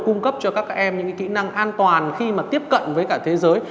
cung cấp cho các em những kỹ năng an toàn khi mà tiếp cận với cả thế giới